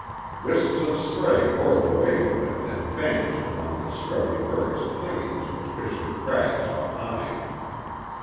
Wisps of spray whirled away from it and vanished among the scrubby firs clinging to the fissured crags behind.